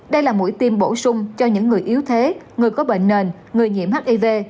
đây là mũi tiêm bổ sung cho những người yếu thế người có bệnh nền người nhiễm hiv